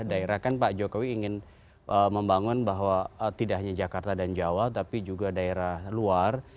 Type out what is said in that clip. daerah kan pak jokowi ingin membangun bahwa tidak hanya jakarta dan jawa tapi juga daerah luar